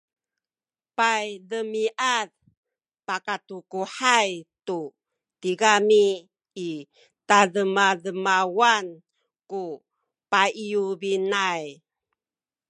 paydemiad pakatukuhay tu tigami i tademademawan ku payubinay